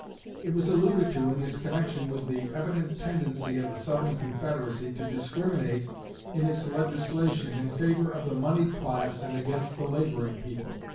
It was alluded to in its connection with the evident tendency of the Southern Confederacy to discriminate in its legislation in favor of the moneyed class and against the laboring people.